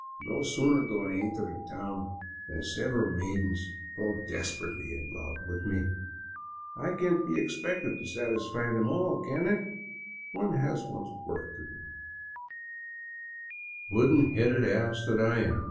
No sooner do I enter a town than several maidens fall desperately in love 157 VAGABONDING DOWN THE ANDES with me. I can't be expected to satisfy them all, can I ? One has one*s work to do." " Wooden headed ass that I am